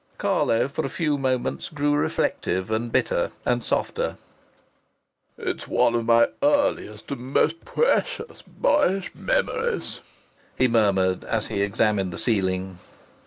Carlo, for a few moments, grew reflective and softer. "It's one of my earliest and most precious boyish memories," he murmured, as he examined the ceiling.